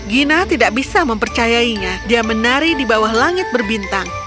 gina tidak bisa mempercayainya dia menari di bawah langit berbintang